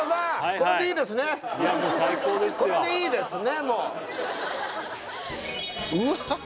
これでいいですね？